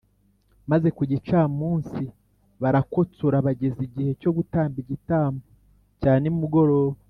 Maze ku gicamunsi barakotsora bageza igihe cyo gutamba igitambo cya nimugoroba